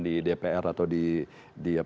di dpr atau di